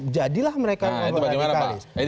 jadilah mereka kelompok radikalis